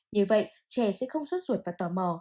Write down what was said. như vậy trẻ sẽ không suốt ruột và tò mò